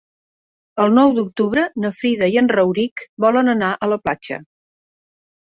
El nou d'octubre na Frida i en Rauric volen anar a la platja.